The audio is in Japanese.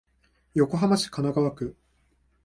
横浜市神奈川区